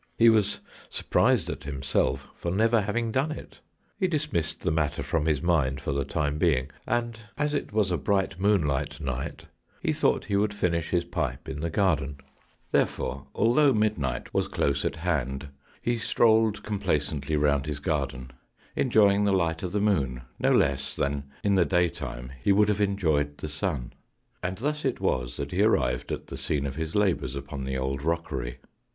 He was surprised at him self for never having done it. He dismissed the matter from his mind for the time being, and as it was a bright moonlight night he thought he would finish his pipe in the garden. 115 &HOST TALES. Therefore, although midnight was close at hand, he strolled complacently round his garden, enjoying the light of the moon no less than in the daytime he would have enjoyed the sun; and thus it was that he arrived at the scene of his labours upon the old rockery.